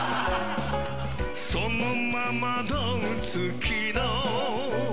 そのままドン突きの